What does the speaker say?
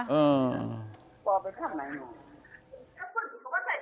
เดี๋ยวให้พูดกับใจเงื่อนหลังจากที่